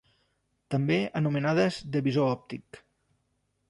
També anomenades de visor òptic.